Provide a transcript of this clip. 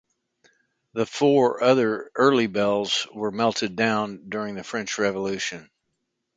The four other early bells were melted down during the French Revolution.